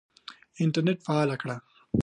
انټرنېټ فعاله کړه !